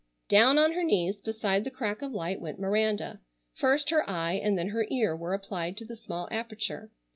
Down on her knees beside the crack of light went Miranda. First her eye and then her ear were applied to the small aperture.